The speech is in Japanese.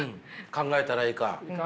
考えたらいいか。